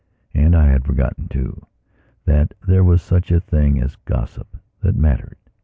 And I had forgotten, too, that there was such a thing as gossip that mattered.